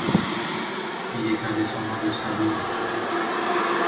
Il est un descendant de Saint Louis.